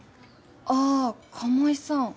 あぁ鴨井さん。